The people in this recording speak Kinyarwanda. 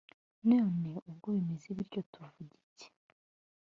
none ubwo bimeze bityo tuvuge iki